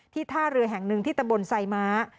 ท่าเรือแห่งหนึ่งที่ตะบนไซม้า